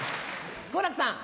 好楽さん。